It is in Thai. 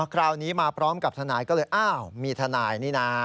คราวนี้มาพร้อมกับทนายก็เลยอ้าวมีทนายนี่นะ